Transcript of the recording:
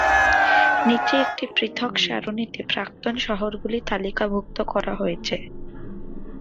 নিচে একটি পৃথক সারণিতে প্রাক্তন শহরগুলি তালিকাভুক্ত করা হয়েছে।